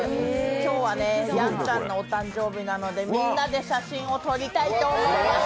今日はね、やんちゃんへのお誕生日なのでみんなで写真を撮りたいと思います！